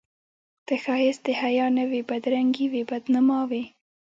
ته ښایست د حیا نه وې بدرنګي وې بد نما وې